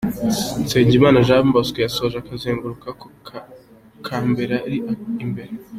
h': Nsengimana Jean Bosco yasoje akazenguruko ka mbere ari imbere.